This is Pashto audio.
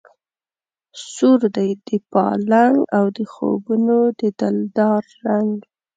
سور دی د پالنګ او د خوبونو د دلدار رنګ